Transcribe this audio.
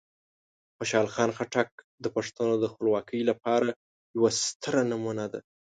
خوشحال خان خټک د پښتنو د خپلواکۍ لپاره یوه ستره نمونه ده.